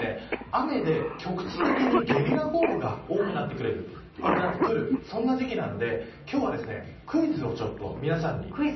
雨で、局地的にゲリラ豪雨が多くなってくるそんな時期なので今日はクイズをちょっと皆さんに。